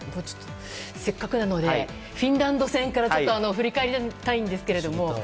せっかくなのでフィンランド戦から振り返りたいんですけれども。